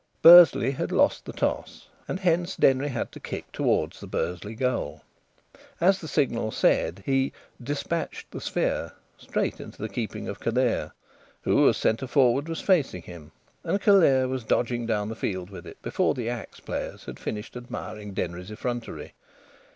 Bursley had lost the toss, and hence Denry had to kick towards the Bursley goal. As the Signal said, he "despatched the sphere" straight into the keeping of Callear, who as centre forward was facing him, and Callear was dodging down the field with it before the Axe players had finished admiring Denry's effrontery.